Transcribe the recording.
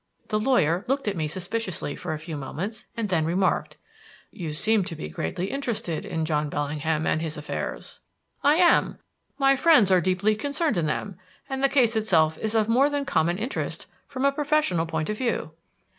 The lawyer looked at me suspiciously for a few moments and then remarked: "You seem to be greatly interested in John Bellingham and his affairs." "I am. My friends are deeply concerned in them, and the case itself is of more than common interest from a professional point of view."